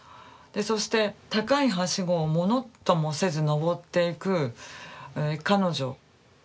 でそして高いはしごをものともせずのぼっていく彼女。